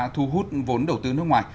thu hút vốn đầu tư nước ngoài